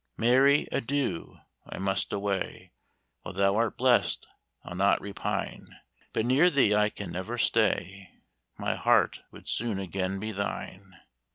"Mary, adieu! I must away: While thou art blest I'll not repine; But near thee I can never stay: My heart would soon again be thine.